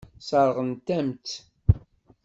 Sseṛɣent-am-tt.